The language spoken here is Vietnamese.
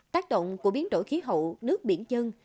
tác động của biến đổi khí hậu nước biển dân